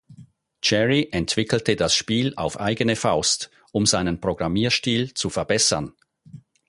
Cherry entwickelte das Spiel auf eigene Faust, um seinen Programmierstil zu verbessern.